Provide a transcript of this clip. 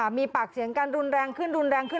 ค่ะมีปากเสียงกันรุนแรงขึ้นขึ้น